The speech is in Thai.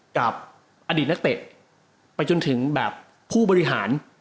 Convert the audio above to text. กับอดีตนักเตะไปจนถึงแบบผู้บริหาร